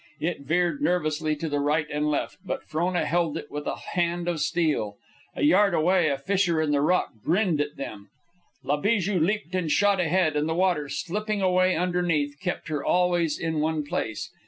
It veered nervously to the right and left, but Frona held it with a hand of steel. A yard away a fissure in the rock grinned at them. La Bijou leaped and shot ahead, and the water, slipping away underneath, kept her always in one place.